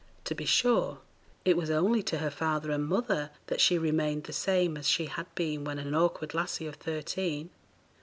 To be sure, it was only to her father and mother that she remained the same as she had been when an awkward lassie of thirteen.